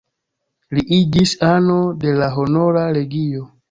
Li iĝis ano de la Honora Legio.